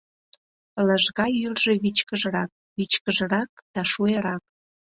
Лыжга йӱржӧ вичкыжрак, Вичкыжрак да шуэрак.